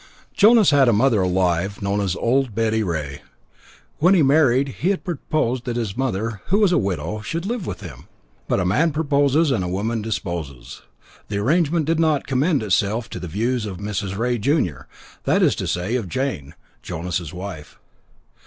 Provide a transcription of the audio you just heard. Jonas had a mother alive, known as Old Betty Rea. When he married, he had proposed that his mother, who was a widow, should live with him. But man proposes and woman disposes. The arrangement did not commend itself to the views of Mrs. Rea, junior that is to say, of Jane, Jonas's wife.